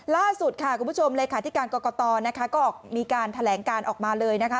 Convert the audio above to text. ล่าสุดค่ะคุณผู้ชมหลักฐานกรกตก็มีการแถลงการออกมาเลยนะคะ